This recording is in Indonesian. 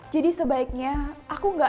jadi sebaiknya aku gak telpon sama dia